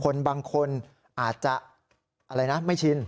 คนบางคนอาจจะอะไรนะไม่ชิน